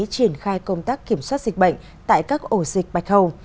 triển khai công tác kiểm soát dịch bệnh tại các ổ dịch bạch hầu